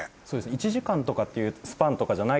１時間とかっていうスパンとかじゃないと思うんです。